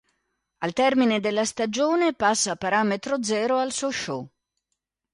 Al termine della stagione, passa a parametro zero al Sochaux.